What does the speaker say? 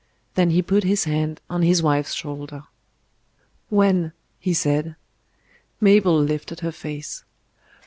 Then he put his hand on his wife's shoulder. "When?" he said. Mabel lifted her face.